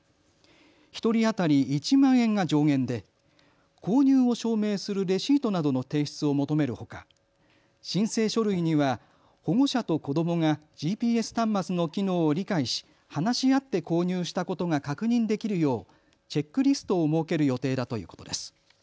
１人当たり１万円が上限で購入を証明するレシートなどの提出を求めるほか申請書類には保護者と子どもがＧＰＳ端末の機能を理解し話し合って購入したことが確認できるようチェックリストを設ける予定だということです。